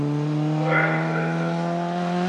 Inɣa-yi fad.